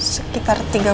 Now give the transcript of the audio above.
sekitar tiga puluh juta